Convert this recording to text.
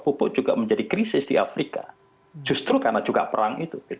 pupuk juga menjadi krisis di afrika justru karena juga perang itu